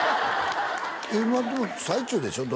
今でも最中でしょ？